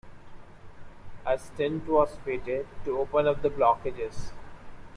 A stent was fitted to open up the blockages.